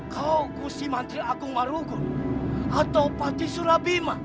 kau kusi mantri agung warugun atau patih surabima